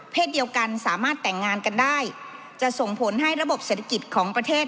เดียวกันสามารถแต่งงานกันได้จะส่งผลให้ระบบเศรษฐกิจของประเทศ